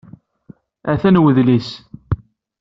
Atan wedlis.